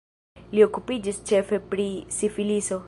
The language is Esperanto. Li okupiĝis ĉefe pri sifiliso.